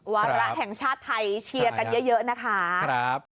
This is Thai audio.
วาระแห่งชาติไทยเชียร์กันเยอะนะคะ